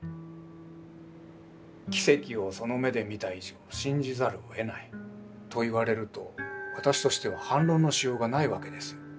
奇跡をその目で見た以上信じざるをえないと言われると私としては反論のしようがないわけですよ。